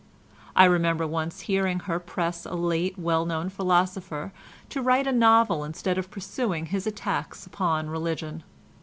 I remember once hearing her press a late well known philosopher to write a novel instead of pursuing his attacks upon religion.